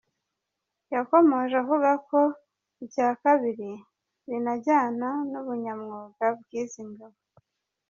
Yakomeje avuga ko icya kabiri binajyana n’ubunyamwuga bw’izi ngabo.